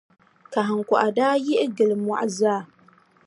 Kahiŋkɔɣu daa yiɣi gili mɔɣu zaa.